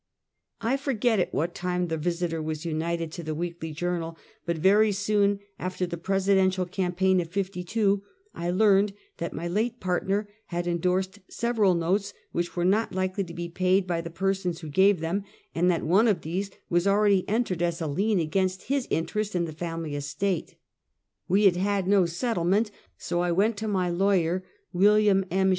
I forget at what time the Visiier was united to the weekly Journal j but very soon after the presidential campaign of '52, I learned that my late partner had endorsed several notes which were not likely to be paid by the persons who gave them, and that one of these was already entered as a lien against his inte rest in the family estate. "We had had no settlement, so I went to my lawyer, William M.